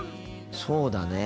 そうだね。